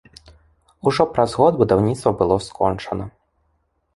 Ужо праз год будаўніцтва было скончана.